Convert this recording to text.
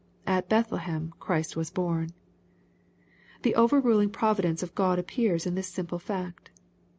At Bethlehem Christ was born. The overruling px)vidence of God appears in this Rimple fact.